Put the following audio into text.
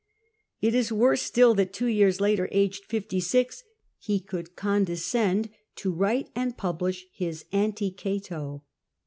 It is worse still that two years later, aged fifty six, he could condescend to write and publish his " Anti Oato."